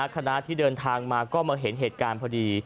คณะที่เดินทางมาก็มาเห็นเหตุการณ์พอดี